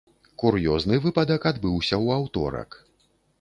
Кур'ёзны выпадак адбыўся ў аўторак.